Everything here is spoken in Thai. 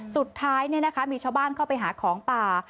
สุดท้ายมีชาวบ้านเข้าไปหาของป่า